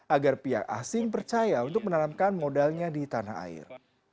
agar pihak asing percaya untuk menanamkan modalnya di tanah air